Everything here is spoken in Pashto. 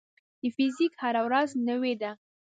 د فزیک هره ورځ نوې ده.